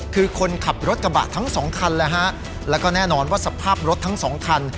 คือคนขับรถกระบะทั้งสองคันเลยฮะแล้วก็แน่นอนว่าสภาพรถทั้งสองคัน